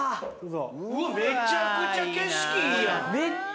めちゃくちゃ景色いいやん！